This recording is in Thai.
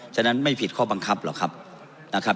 ฉะนั้นไม่ผิดข้อบังคับหรอกครับ